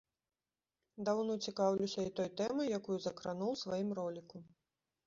Даўно цікаўлюся і той тэмай, якую закрануў у сваім роліку.